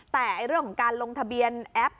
แต่เรื่องของการลงทะเบียนแอป